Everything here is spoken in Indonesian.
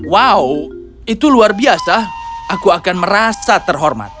wow itu luar biasa aku akan merasa terhormat